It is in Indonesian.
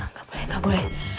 nggak boleh nggak boleh